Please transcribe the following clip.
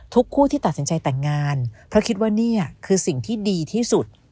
คู่ที่ตัดสินใจแต่งงานเพราะคิดว่านี่คือสิ่งที่ดีที่สุด